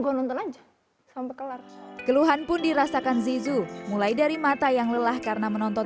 go nonton aja sama kelar keluhan pun dirasakan zizu mulai dari mata yang lelah karena menonton